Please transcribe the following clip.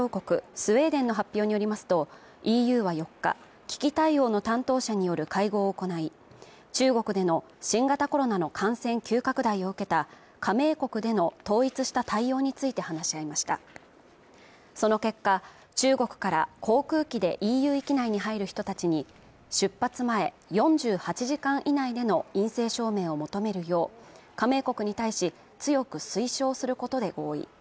スウェーデンの発表によりますとＥＵは４日危機対応の担当者による会合を行い中国での新型コロナの感染急拡大を受けた加盟国での統一した対応について話し合いましたその結果中国から航空機でＥＵ域内に入る人達に出発前４８時間以内での陰性証明を求めるよう加盟国に対し強く推奨することで合意